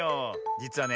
じつはね